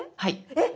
えっ！